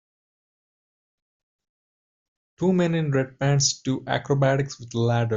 Two men in red pants do acrobatics with a ladder.